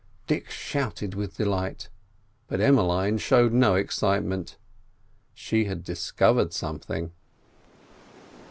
Dick shouted with delight, but Emmeline showed no excitement: she had discovered something.